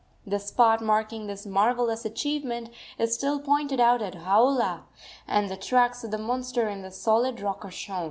The spot marking this marvellous achievement is still pointed out at Hauula, and the tracks of the monster in the solid rock are shown.